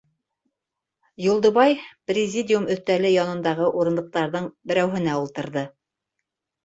Юлдыбай президиум өҫтәле янындағы урындыҡтарҙың берәүһенә ултырҙы.